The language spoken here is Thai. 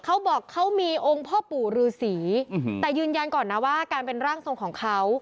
เขาบอกเขามีองค์พ่อปู่ฤษีแต่ยืนยันก่อนนะว่าการเป็นร่างทรงของเขา